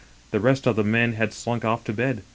The rest of the men had slunk off to bed.